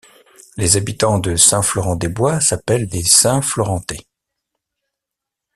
Les habitants de Saint-Florent-des-Bois s’appellent les Saint-Florentais.